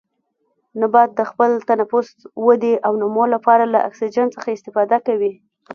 نباتات د خپل تنفس، ودې او نمو لپاره له اکسیجن څخه استفاده کوي.